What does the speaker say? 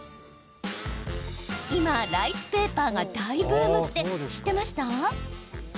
今、ライスペーパーが大ブームって知ってました？